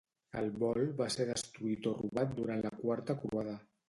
El bol va ser destruït o robat durant la Quarta Croada.